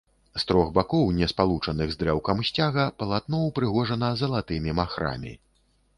З трох бакоў, не спалучаных з дрэўкам сцяга, палатно ўпрыгожана залатымі махрамі.